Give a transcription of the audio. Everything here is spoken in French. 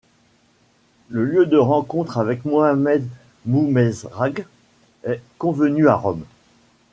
Le lieu de rencontre avec Mohamed Boumezrag est convenu à Rome.